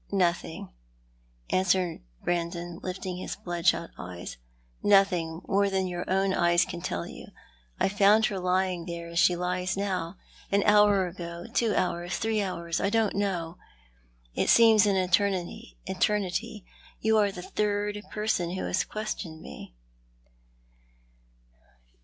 "Nothing," answered Brandon, lifting his bloodshot eyes. " Nothing more than your own eyes can tell you. I found her lying there, as she lies now. An hour ago, two hours, three hours? I don't know. It seems an eternity. You arc the third person who has questioned me."